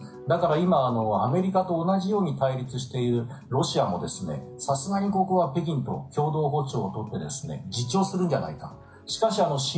だから今、アメリカと同じように対立しているロシアもさすがにここは北京と共同歩調を取って自重するんじゃないかと。